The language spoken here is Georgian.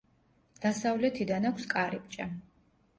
დასავლეთიდან აქვს კარიბჭე.